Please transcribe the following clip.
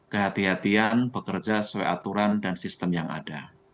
dan kehatian bekerja sesuai aturan dan sistem yang ada